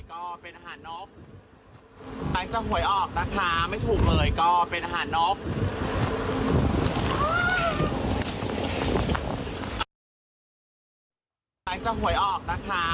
ก็เป็นอาหารน้อมต้องจะหวยออกนะคะ